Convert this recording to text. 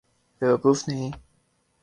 بے وقوف نہیں۔